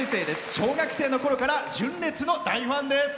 小学生のころから純烈の大ファンです。